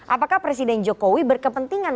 apakah presiden jokowi berkepentingan